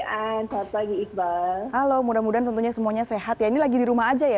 and saat pagi iqbal halo mudah mudahan tentunya semuanya sehat ya ini lagi di rumah aja ya